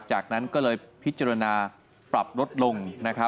จากนั้นก็เลยพิจารณาปรับลดลง